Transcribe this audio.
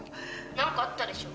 ☎何かあったでしょ？